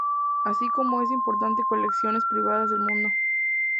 Así como en importantes colecciones privadas del mundo.